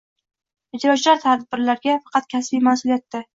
Ijrochilar tadbirlarga faqat kasbiy mas’uliyatda.